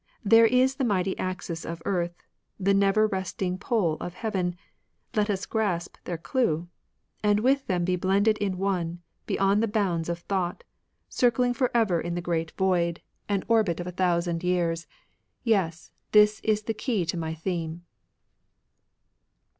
There is the mighty axis of Earth, The never resting pole of Heaven ; Let us grasp their due, And with thom be blended in One, Beyond the bounds of thought, '^^ Circling for ever in the great Void, 48 TAOISM An orbit of a thoiisand years, — Yes, this is the key to my theme.